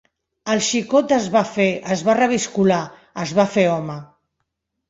El xicot es va fer… es va reviscolar… es va fer home.